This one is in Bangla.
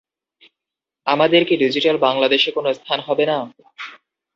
আমাদের কি ডিজিটাল বাংলাদেশে কোনো স্থান হবে না?